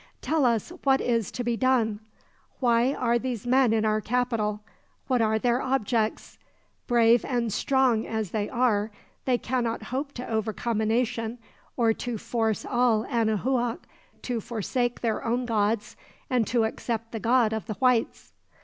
Tell us what is to be done. Why are these men in our capital? What are their objects? Brave and strong as they are, they cannot hope to overcome a nation, or to force all Anahuac to forsake their own gods and to accept the God of the whites."